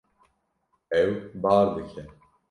Ew bar dike.